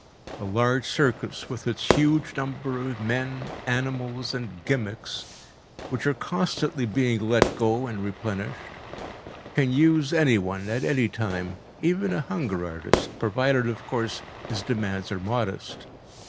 A large circus with its huge number of men, animals, and gimmicks, which are constantly being let go and replenished, can use anyone at any time, even a hunger artist, provided, of course, his demands are modest.